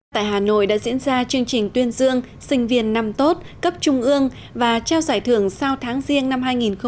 tại hà nội đã diễn ra chương trình tuyên dương sinh viên năm tốt cấp trung ương và trao giải thưởng sau tháng riêng năm hai nghìn một mươi chín